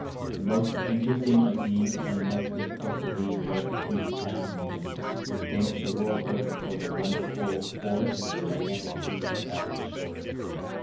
The most interesting of these and the most difficult to leave was the Puget Sound region, famous the world over for the wonderful forests of gigantic trees about its shores.